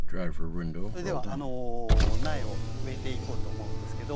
それでは苗を植えていこうと思うんですけど。